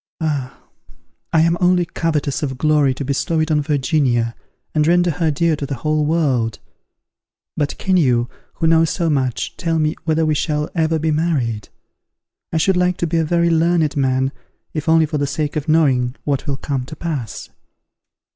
_ Ah! I am only covetous of glory to bestow it on Virginia, and render her dear to the whole world. But can you, who know so much, tell me whether we shall ever be married? I should like to be a very learned man, if only for the sake of knowing what will come to pass.